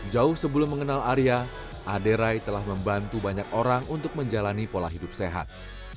jauh sebelum mengenal arya aderai telah membantu banyak orang untuk menjalani pola hidup sehat